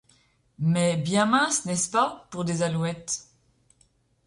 mais bien minces, n’est-ce pas ? pour des alouettes…